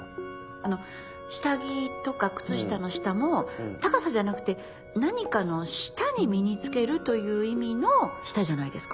あの下着とか靴下の「下」も高さじゃなくて何かの下に身に着けるという意味の「下」じゃないですか。